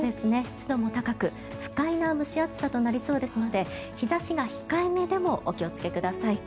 湿度も高く不快な蒸し暑さとなりそうですので日差しが控えめでもお気をつけください。